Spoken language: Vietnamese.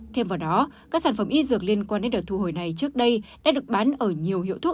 thêm vào đó các sản phẩm y dược liên quan đến đợt thu hồi này trước đây đã được bán ở nhiều hiệu thuốc